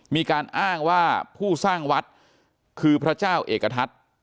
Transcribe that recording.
มีการอ้างว่าผู้สร้างวัดคือพระเจ้าเอกทัศน์